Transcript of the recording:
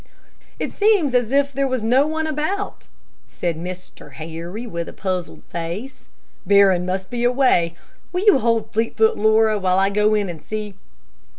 "It seems as if there was no one about," said Mr. Harry, with a puzzled face. "Barron must be away. Will you hold Fleetfoot, Laura, while I go and see?"